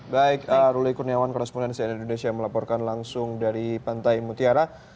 baik ruli kurniawan korrespondensi indonesia melaporkan langsung dari pantai mutiara